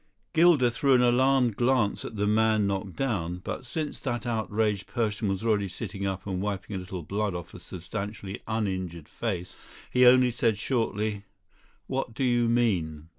Gilder threw an alarmed glance at the man knocked down; but since that outraged person was already sitting up and wiping a little blood off a substantially uninjured face, he only said shortly: "What do you mean?"